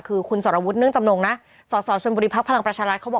คือคุณสรวจเนื่องจำนงนะสสชบุรีภักดิ์พลังประชารรัฐ